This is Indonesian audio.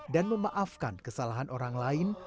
dan memaafkan kesalahan orang lain